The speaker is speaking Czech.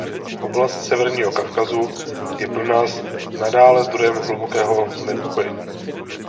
Oblast severního Kavkazu je pro nás nadále zdrojem hlubokého znepokojení.